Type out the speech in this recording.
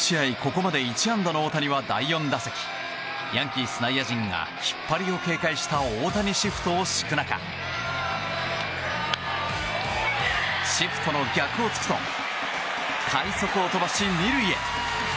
ここまで１安打の大谷は、第４打席ヤンキース内野陣が引っ張りを警戒した大谷シフトを敷く中シフトの逆を突くと快足を飛ばし、２塁へ。